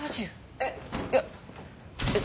えっいやえっ。